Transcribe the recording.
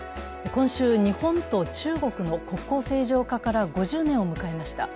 今週、日本と中国の国交正常化から５０年を迎えました。